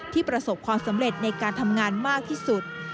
ประสบความสำเร็จในการทำงานมากที่สุด